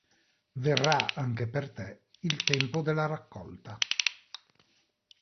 Verrà anche per te il tempo della raccolta.